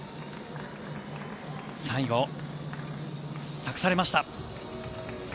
最後を託されました。